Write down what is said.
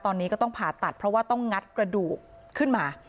ตอนนี้ก็ต้องผ่าตัดเพราะว่าต้องงัดกระดูกขึ้นมา